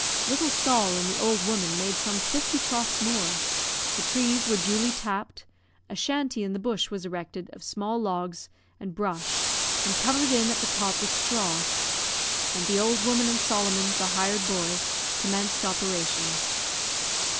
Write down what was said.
Little Sol. and the old woman made some fifty troughs more, the trees were duly tapped, a shanty in the bush was erected of small logs and brush and covered in at the top with straw; and the old woman and Solomon, the hired boy, commenced operations.